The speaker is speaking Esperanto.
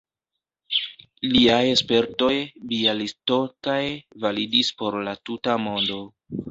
liaj spertoj Bjalistokaj validis por la tuta mondo.